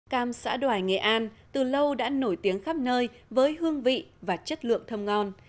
cam xã đoài nghệ an từ lâu đã nổi tiếng khắp nơi với hương vị và chất lượng thơm ngon